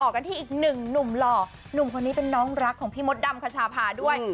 กันที่อีกหนึ่งหนุ่มหล่อหนุ่มคนนี้เป็นน้องรักของพี่มดดำคชาพาด้วย